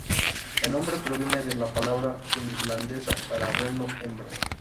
El nombre proviene de la palabra finlandesa para "reno hembra".